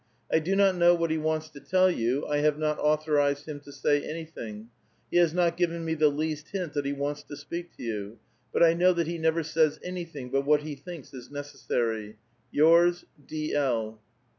I do not know what he wants to tell you ; I have not authorized him to sav anything ; he has not given me the least hint that he wants to speak to yon, but I know tiiat he never says anything but what he thinks is necessary. Yours, D. L."